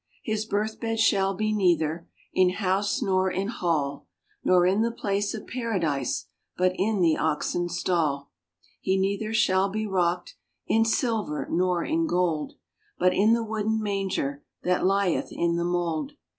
"His birth bed shall be neither In housen nor in hall, Nor in the place of paradise, But in the oxen's stall. "He neither shall be rocked In silver nor in gold, RAINBOW GOLD But in the wooden manger That lieth in the mould.